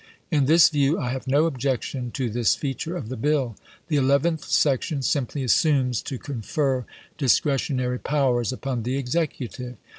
In this view I have no objection to this feature of the bill. .. The eleventh section simply assumes to confer discretionary powers upon the Executive.